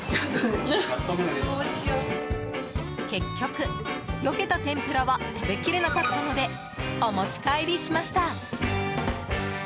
結局、よけた天ぷらは食べ切れなかったのでお持ち帰りしました。